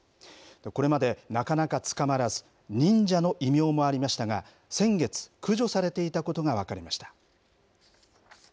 これまでなかなか捕まらず、忍者の異名もありましたが、先月、駆除されていたことが分かりました。